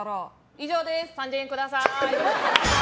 以上です、３０００円ください。